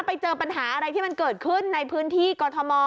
ไปเจอปัญหาอะไรที่มันเกิดขึ้นในพื้นที่กรทม